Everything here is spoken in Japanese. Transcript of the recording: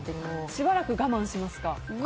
しばらく我慢しますか。